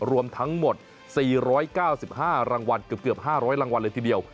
รวมทั้งหมด๔๙๕รางวัลเกือบ๕๐๐รางวัลเลยทีเดียว